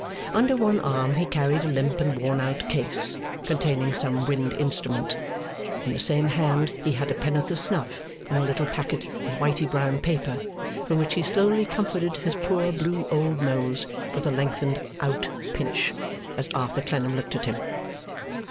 Under one arm he carried a limp and worn out case, containing some wind instrument; in the same hand he had a pennyworth of snuff in a little packet of whitey brown paper, from which he slowly comforted his poor blue old nose with a lengthened out pinch, as Arthur Clennam looked at him.